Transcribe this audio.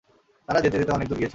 তারা যেতে যেতে অনেক দূরে গিয়েছিল।